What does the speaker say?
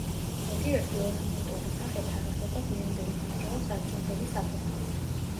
ზოგიერთი ორნამენტული სახე თარიღდება გვიანდელი ბრინჯაოს ადრინდელი საფეხურით.